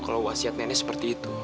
kalau wasiat nenek seperti itu